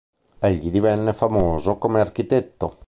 Egli divenne famoso come architetto.